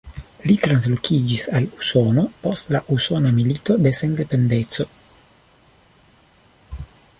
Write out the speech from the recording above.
Li translokiĝis al Usono post la Usona Milito de Sendependeco.